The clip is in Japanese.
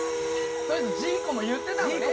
とりあえずジーコも言ってたのね？